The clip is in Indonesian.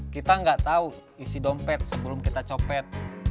kita nggak tahu isi dompet sebelum kita copet